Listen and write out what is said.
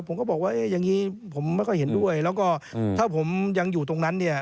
ผมก็บอกว่าอย่างนี้ผมไม่ค่อยเห็นด้วยแล้วก็ถ้าผมยังอยู่ตรงนั้นเนี่ย